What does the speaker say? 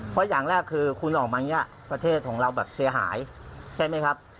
เพราะอย่างแรกคือคุณออกมาอย่างนี้ประเทศของเราแบบเสียหายใช่ไหมครับ